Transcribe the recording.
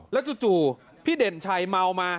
แล้วจู่พี่เด่นชัยเมามา